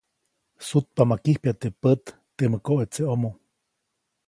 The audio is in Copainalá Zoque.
Sutpa ma kijpya teʼ pät temä koʼetseʼomo.